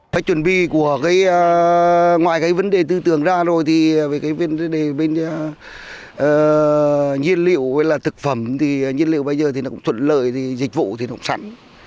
phải chuẩn bị của cái ngoài cái vấn đề tư tưởng ra rồi thì về cái vấn đề bên nhiên liệu với là thực phẩm thì nhiên liệu bây giờ thì nó cũng thuận lợi thì dịch vụ thì nó cũng sẵn